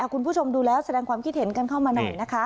คุณผู้ชมดูแล้วแสดงความคิดเห็นกันเข้ามาหน่อยนะคะ